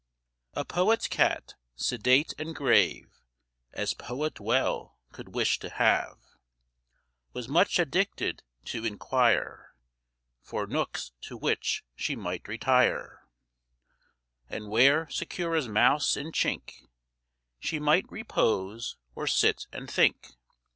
A poet's cat, sedate and grave As poet well could wish to have, Was much addicted to inquire For nooks to which she might retire, And where, secure as mouse in chink, She might repose, or sit and think.